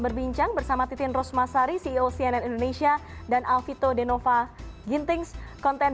berbincang bersama titien ros masari ceo cnn indonesia dan alfito denova gintings content